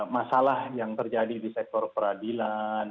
masalah yang terjadi di sektor peradilan